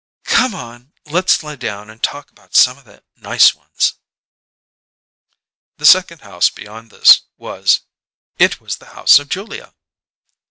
"Come on: let's lie down and talk about some of the nice ones!" The second house beyond this was it was the house of Julia!